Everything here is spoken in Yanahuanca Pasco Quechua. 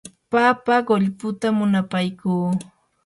papa qullputa munapaykuu.